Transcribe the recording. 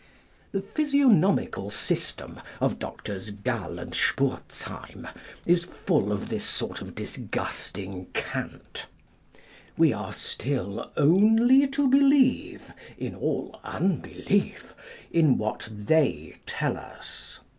The Physiognomical System of Drs. Gall and Spurzheim is full of this sort of disgusting cant. We are still only to believe in all unbelief â€" in what they tell us.